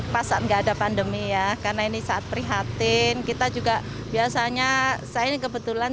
pasal enggak ada pandemi ya karena ini saat prihatin kita juga biasanya saya kebetulan